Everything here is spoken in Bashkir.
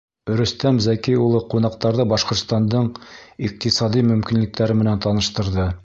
Рөстәм Зәки улы ҡунаҡтарҙы Башҡортостандың иҡтисади мөмкинлектәре менән таныштырҙы.